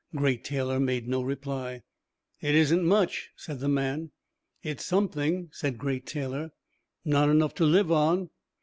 Great Taylor made no reply. "It isn't much," said the man. "It's something," said Great Taylor. "Not enough to live on."